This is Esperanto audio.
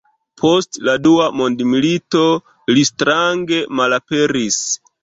Post la dua mondmilito li strange malaperis.